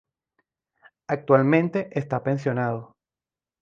Actualmente está pensionado.